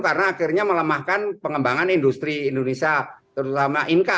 karena akhirnya melemahkan pengembangan industri indonesia terutama ink